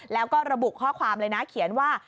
แล้วก็ระบุข้อความเลยนะเขียนว่า